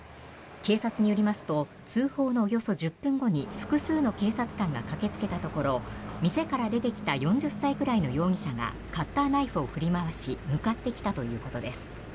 警察によりますと通報のおよそ１０分後に複数の警察官が駆けつけたところ店から出てきた４０歳くらいの容疑者がカッターナイフを振り回し向かってきたということです。